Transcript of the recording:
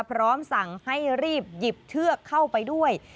พร้อมสั่งให้รีบหยิบเชือกเข้าไปด้วย